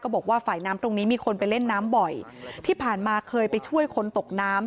บอกว่าฝ่ายน้ำตรงนี้มีคนไปเล่นน้ำบ่อยที่ผ่านมาเคยไปช่วยคนตกน้ำ